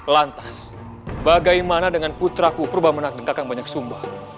lantas bagaimana dengan putra ku prwamunak dan kakang banyak sumba